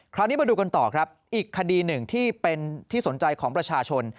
คราวนี้มาดูกันต่อครับอีกคดีหนึ่งที่เป็นที่สนใจของประชาชน